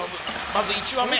まず１羽目。